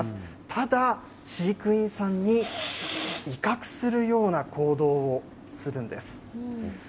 ただ、飼育員さんに威嚇するような行動をするんです。